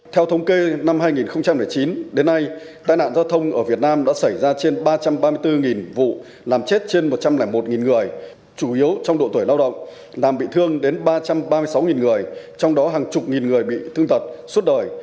theo thống kê năm hai nghìn chín đến nay tai nạn giao thông ở việt nam đã xảy ra trên ba trăm ba mươi bốn vụ làm chết trên một trăm linh một người chủ yếu trong độ tuổi lao động làm bị thương đến ba trăm ba mươi sáu người trong đó hàng chục nghìn người bị thương tật suốt đời